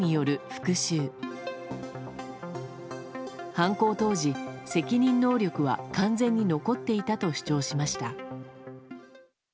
犯行当時、責任能力は完全に残っていたと主張しました。